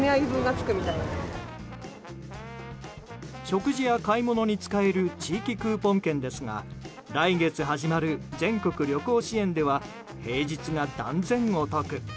食事や買い物に使える地域クーポン券ですが来月始まる全国旅行支援では平日が断然お得。